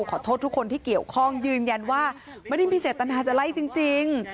ขอโทษทุกคนที่เกี่ยวข้องยืนยันว่าไม่ได้มีเจตนาจะไล่จริง